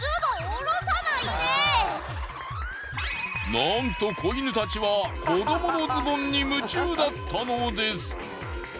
なんと子犬たちは子どものズボンに夢中だったのです。